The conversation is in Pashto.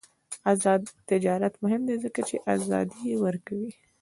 آزاد تجارت مهم دی ځکه چې ازادي ورکوي.